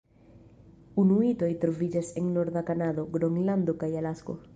Inuitoj troviĝas en norda Kanado, Gronlando kaj Alasko.